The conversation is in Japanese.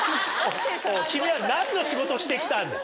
君はなんの仕事してきたんだ。